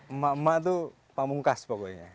emak emak itu pamungkas pokoknya